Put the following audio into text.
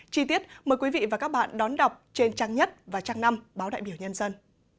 chi tiết mời quý vị và các bạn đón đọc trên trang nhất và trang năm báo đại biểu nhân dân